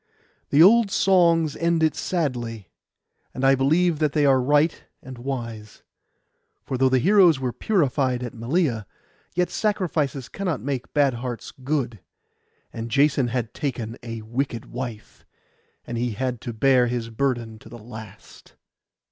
The old songs end it sadly, and I believe that they are right and wise; for though the heroes were purified at Malea, yet sacrifices cannot make bad hearts good, and Jason had taken a wicked wife, and he had to bear his burden to the last.